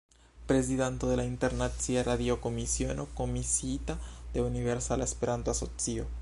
Prezidanto de la Internacia Radio-Komisiono, komisiita de Universala Esperanto-Asocio.